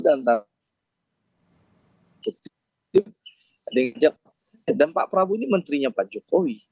dan pak prabowo ini menterinya pak jokowi